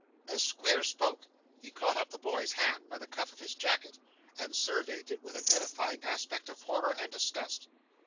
As Squeers spoke, he caught up the boy's hand by the cuff of his jacket, and surveyed it with an edifying aspect of horror and disgust.